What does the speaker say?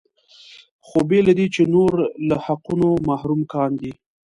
خو بې له دې چې نور له حقونو محروم کاندي.